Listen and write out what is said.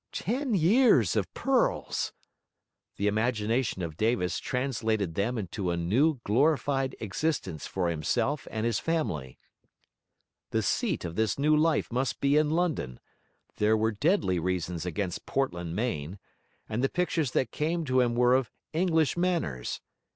Ten years of pearls! The imagination of Davis translated them into a new, glorified existence for himself and his family. The seat of this new life must be in London; there were deadly reasons against Portland, Maine; and the pictures that came to him were of English manners.